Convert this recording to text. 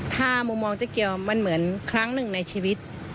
ถ้ามุมมองเจ๊เกียวมันเหมือนครั้งหนึ่งในชีวิต